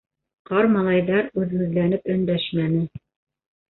Ҡар малайҙар үҙһүҙләнеп өндәшмәне.